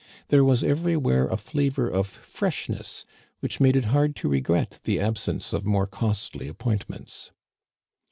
There was everywhere a flavor of freshness, which made it hard to regret the absence of more costly appointments.